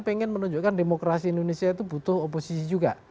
ingin menunjukkan demokrasi indonesia itu butuh oposisi juga